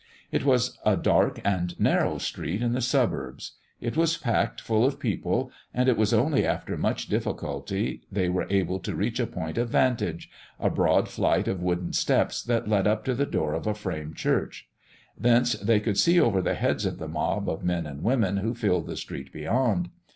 It was a dark and narrow street in the suburbs. It was packed full of people, and it was only after much difficulty they were able to reach a point of vantage a broad flight of wooden steps that led up to the door of a frame church. Thence they could see over the heads of the mob of men and women who filled the street beyond.